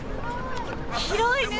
広いね！